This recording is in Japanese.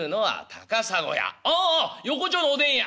「ああ横町のおでん屋」。